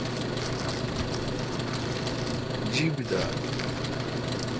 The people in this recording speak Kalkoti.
جِیب دال۔